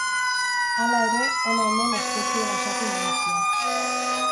Hala ere, hona hemen espezie basati nagusiak.